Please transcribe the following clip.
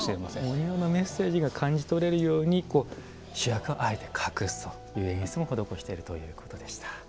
お庭のメッセージが感じ取れるように主役はあえて隠すという演出も施しているということでした。